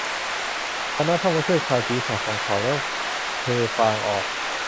ดังนั้นพ่อมดช่วยคลายศีรษะของเขาแล้วเทฟางออก